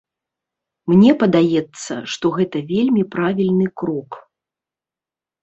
Мне падаецца, што гэта вельмі правільны крок.